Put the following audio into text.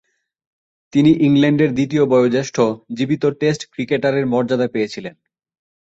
তিনি ইংল্যান্ডের দ্বিতীয় বয়োজ্যেষ্ঠ জীবিত টেস্ট ক্রিকেটারের মর্যাদা পেয়েছিলেন।